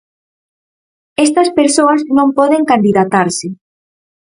Estas persoas non poden candidatarse.